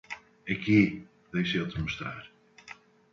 Aqui, deixa eu te mostrar.